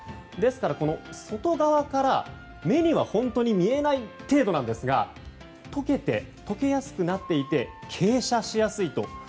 ですから、外側から目には本当に見えない程度ですが解けやすくなっていて傾斜しやすい。